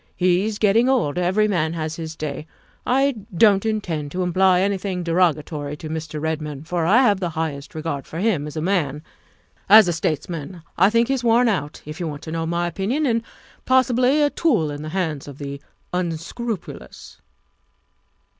He's getting old. Every man has his day. I don't intend to imply anything derogatory to Mr. Redmond, for I have the highest regard for him as a man. As a states man, I think he's worn out, if you want to know my opinion, and possibly a tool in the hands of the un scrupulous.